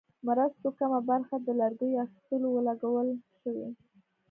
مرستو کمه برخه د لرګیو اخیستلو ولګول شوې.